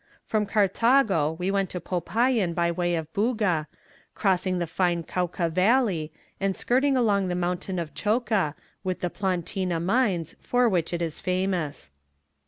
"From Carthago we went to Popayan by way of Buga, crossing the fine Cauca valley, and skirting along the mountain of Choca, with the platina mines for which it is famous.